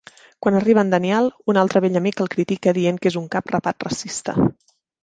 Quan arriba en Daniel, un altre vell amic el critica dient que és un cap rapat racista.